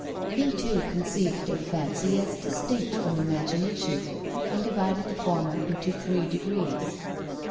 He too conceived of fancy as distinct from imagination, and divided the former into three degrees.